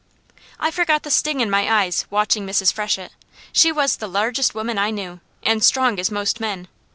I forgot the sting in my eyes watching Mrs. Freshett. She was the largest woman I knew, and strong as most men.